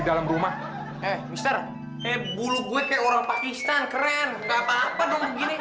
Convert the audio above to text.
dalam rumah eh mr eh bulu gue kayak orang pakistan keren enggak apa apa dong gini